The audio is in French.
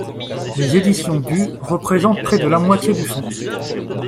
Les éditions du représentent près de la moitié du fonds.